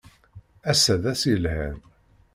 Ass-a d ass yelhan.